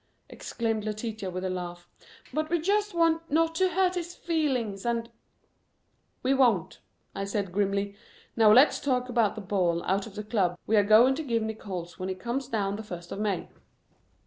exclaimed Letitia with a laugh. "But we just want not to hurt his feelings and " "We won't," I said grimly. "Now let's talk about the ball out at the Club we are going to give Nickols when he comes down the first of May."